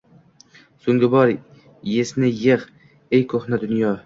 So’nggi bor – esni yig’, ey ko’hna dunyo!